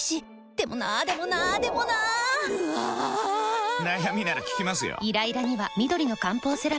でもなーでもなーでもなーぬあぁぁぁー！！！悩みなら聞きますよ。